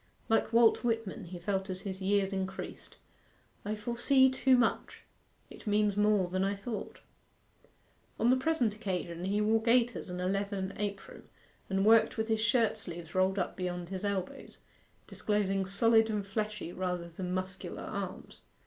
Like Walt Whitman he felt as his years increased 'I foresee too much; it means more than I thought.' On the present occasion he wore gaiters and a leathern apron, and worked with his shirt sleeves rolled up beyond his elbows, disclosing solid and fleshy rather than muscular arms.